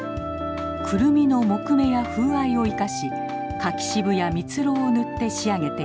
クルミの木目や風合いを生かし柿渋や蜜ろうを塗って仕上げています。